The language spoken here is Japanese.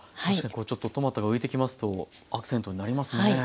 確かにちょっとトマトが浮いてきますとアクセントになりますね。